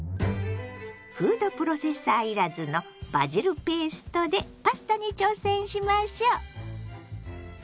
フードプロセッサー要らずのバジルペーストでパスタに挑戦しましょ！